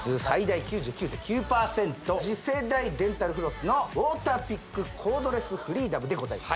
次世代デンタルフロスのウォーターピックコードレスフリーダムでございます